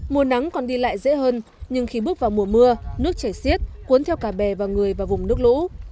mùa nắng còn đi lại dễ hơn nhưng khi bước vào mùa mưa nước chảy xiết cuốn theo cả bè và người vào vùng nước lũ